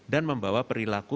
dan membawa perilaku